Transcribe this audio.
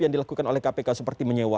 yang dilakukan oleh kpk seperti menyewa